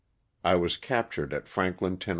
I was captured at Franklin, Tenn.